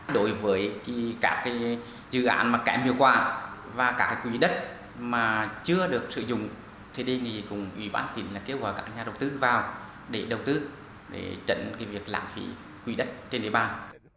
đối với các dự án kém hiệu quả và các quỹ đất chưa được sử dụng thì đề nghị ủy bán tỉnh kêu gọi các nhà đầu tư vào để đầu tư để trận việc lãng phí quỹ đất trên địa bàn